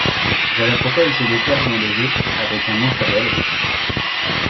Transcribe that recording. Voilà pourquoi il se déplace dans le jeu avec un manche à balai.